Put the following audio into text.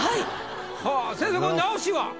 先生これ直しは？